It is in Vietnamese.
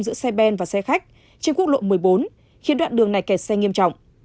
giữa xe ben và xe khách trên quốc lộ một mươi bốn khiến đoạn đường này kẹt xe nghiêm trọng